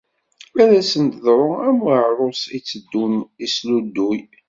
Ad asen-teḍru am uɛarus itteddun isludduy.